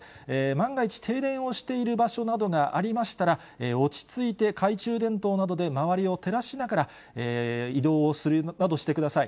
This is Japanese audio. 万が一、停電をしている場所などがありましたら、落ち着いて懐中電灯などで周りを照らしながら、移動をするなどしてください。